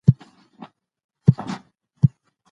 په پرمختيا کي د پلان جوړوني اهميت ډېر دی.